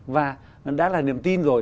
và nó đã là niềm tin rồi